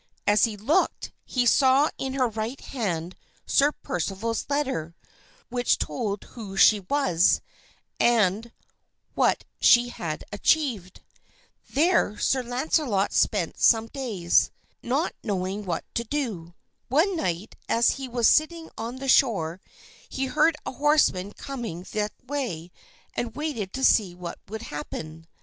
As he looked he saw in her right hand Sir Percival's letter, which told who she was and what she had achieved. There Sir Launcelot spent some days, not knowing what to do. One night as he was sitting on the shore, he heard a horseman coming that way and waited to see what would happen.